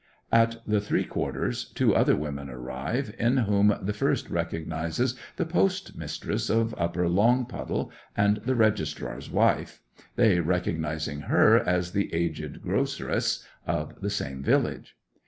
At the three quarters, two other women arrive, in whom the first recognizes the postmistress of Upper Longpuddle and the registrar's wife, they recognizing her as the aged groceress of the same village.